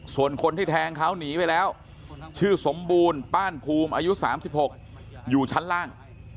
ส่วนคนที่แทงเขาหนีไปแล้วชื่อสมบูรณ์ป้านภูมิอายุ๓๖อยู่ชั้นล่าง